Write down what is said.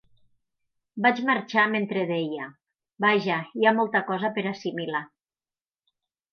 Vaig marxar mentre deia: "Vaja, hi ha molta cosa per assimilar.